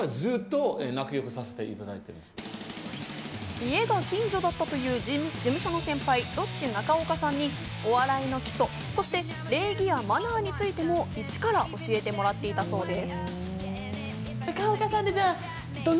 家が近所だったという事務所の先輩ロッチ・中岡さんにお笑いの基礎そして礼儀やマナーについてもイチから教えてもらっていたそうです。